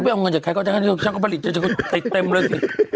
ไม่เอาเงินจากใครก็จะให้ช่างเขาผลิตจนติดเต็มเลยสิ